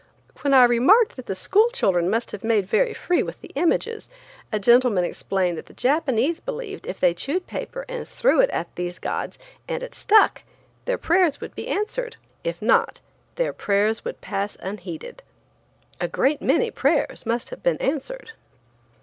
When I remarked that the school children must make very free with the images, a gentleman explained that the Japanese believed if they chewed paper and threw it at these gods and it stuck their prayers would be answered, if not, their prayers would pass unheeded. A great many prayers must have been answered.